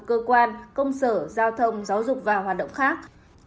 cơ quan công sở giao thông giáo dục và hoạt động khác